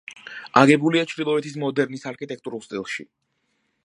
აგებულია ჩრდილოეთის მოდერნის არქიტექტურულ სტილში.